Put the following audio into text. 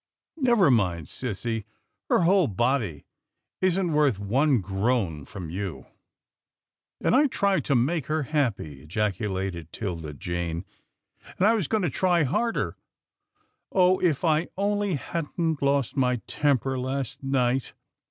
" Never mind, sissy. Her whole body isn't worth one groan from you." FLIGHT OF A WILD GOOSE 165 And I tried to make her happy," ejaculated 'Tilda Jane, " and I was going to try harder. Oh ! if I only hadn't lost my temper last night."